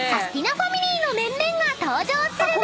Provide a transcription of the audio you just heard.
ファミリーの面々が登場する中］